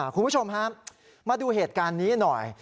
คุณผู้ชมฮะมาดูเหตุการณ์นี้หน่อย